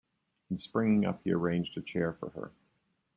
And, springing up, he arranged a chair for her.